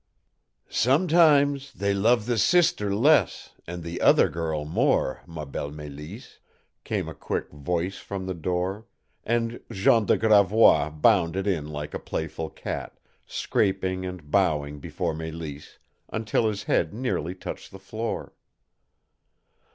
"Sometimes they love the SISTER less and the OTHER GIRL more, ma belle Mélisse," came a quick voice from the door, and Jean de Gravois bounded in like a playful cat, scraping and bowing before Mélisse until his head nearly touched the floor.